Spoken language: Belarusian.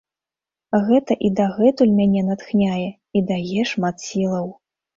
Гэта і дагэтуль мяне натхняе і дае шмат сілаў.